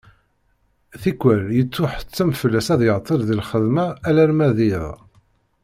Tikkwal yettuḥettem fell-as ad iɛeṭṭel di lxedma alarma d iḍ.